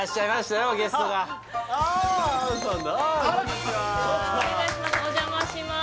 よろしくお願いします